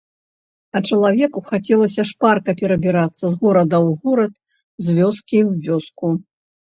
А чалавеку хацелася шпарка перабірацца з горада ў горад, з вёскі ў вёску.